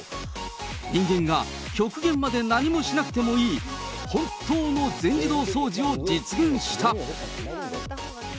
人間が極限まで何もしなくてもいい、本当の全自動掃除を実現した。